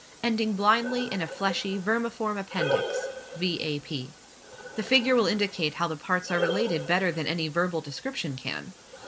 ending blindly in a fleshy vermiform appendix (v.ap.). The figure will indicate how the parts are related better than any verbal description can.